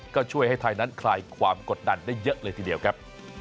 ก็ช่วยให้ไทยนั้นคลายความกดดันได้เยอะเลยทีเดียวครับ